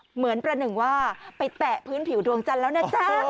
เหมือนประหนึ่งว่าไปแตะพื้นผิวดวงจันทร์แล้วนะจ๊ะ